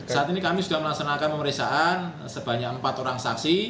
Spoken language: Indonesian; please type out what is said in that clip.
saat ini kami sudah melaksanakan pemeriksaan sebanyak empat orang saksi